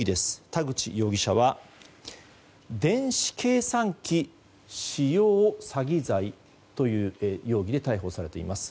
田口容疑者は電子計算機使用詐欺罪という容疑で逮捕されています。